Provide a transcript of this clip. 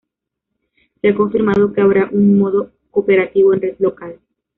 Se ha confirmado que habrá un modo cooperativo en red local.